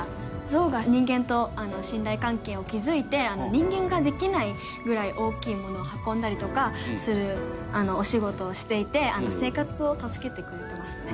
ゾウが人間と信頼関係を築いて人間ができないぐらい大きいものを運んだりとかするお仕事をしていて生活を助けてくれてますね。